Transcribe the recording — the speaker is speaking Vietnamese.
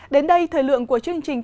đến đây thời lượng của chương trình